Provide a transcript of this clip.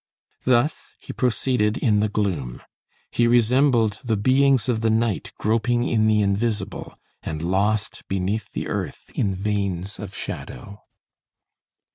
Thus he proceeded in the gloom. He resembled the beings of the night groping in the invisible and lost beneath the earth in veins of shadow.